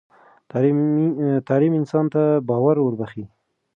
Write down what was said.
تعلیم انسان ته باور وربخښي.